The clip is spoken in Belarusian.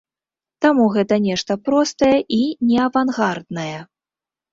Таму гэта нешта простае і неавангарднае.